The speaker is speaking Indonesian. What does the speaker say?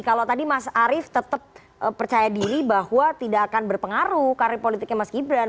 kalau tadi mas arief tetap percaya diri bahwa tidak akan berpengaruh karir politiknya mas gibran